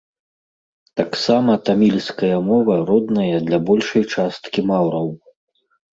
Таксама тамільская мова родная для большай часткі маўраў.